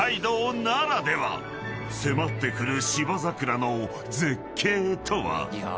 ［迫ってくる芝桜の絶景とは？］